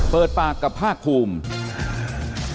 เปิดปากกับภาคภูมิ